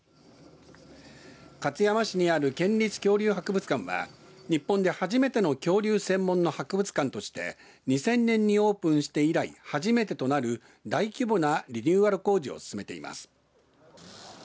勝山市にある県立恐竜博物館は日本で初めての恐竜専門の博物館として２０００年にオープンして以来初めてとなる大規模なリニューアル工事を進めています。